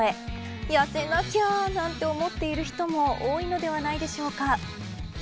やせなきゃ、なんて思っている人も多いのではないでしょうか。